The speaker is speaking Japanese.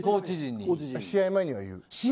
試合前には言うよ。